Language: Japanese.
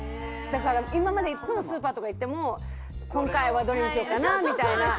だから今までいっつもスーパーとか行っても今回はどうしようかなみたいな。